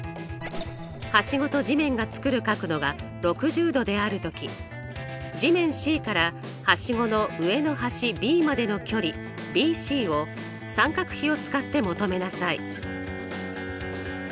はしごと地面が作る角度が６０°である時地面Ｃからはしごの上の端Ｂまでの距離ＢＣを三角比を使って求めなさい。